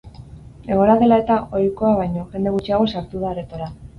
Egoera dela eta, ohikoa baino jende gutxiago sartu da aretora.